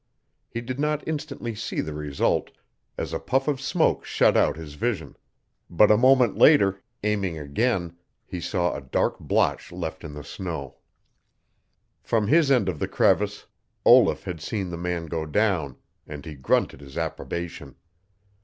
He did not instantly see the result, as a puff of smoke shut out his vision, but a moment later, aiming again, he saw a dark blotch left in the snow. From his end of the crevice Olaf had seen the man go down, and he grunted his approbation.